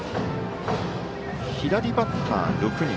左バッター、６人。